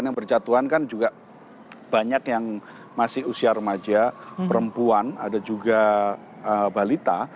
yang berjatuhan kan juga banyak yang masih usia remaja perempuan ada juga balita